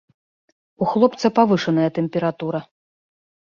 У хлопца павышаная тэмпература.